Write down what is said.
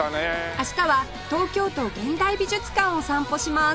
明日は東京都現代美術館を散歩します